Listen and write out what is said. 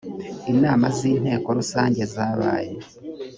inama z inteko rusange zabaye